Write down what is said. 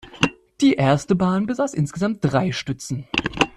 Diese erste Bahn besaß insgesamt drei Stützen.